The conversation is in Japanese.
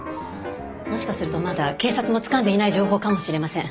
もしかするとまだ警察もつかんでいない情報かもしれません。